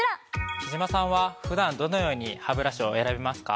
貴島さんは普段どのようにハブラシを選びますか？